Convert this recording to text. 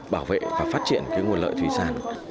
bảo vệ và phát triển nguồn lợi thủy sản